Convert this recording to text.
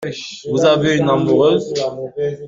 Vous avez une amoureuse ?